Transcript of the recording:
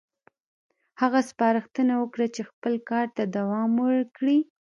هغه سپارښتنه وکړه چې خپل کار ته دوام ورکړي.